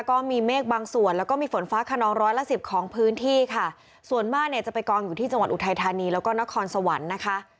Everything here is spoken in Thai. ก็มีเมฆบางส่วนแล้วก็มีฝนฟ้าขนองร้อยละสิบของพื้นที่ค่ะส่วนมากเนี่ยจะไปกองอยู่ที่จังหวัดอุทัยธานีแล้วก็นครสวรรค์นะคะ